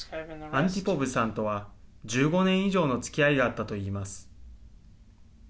アンティポブさんとは１５年以上の付き合いがあったといいます。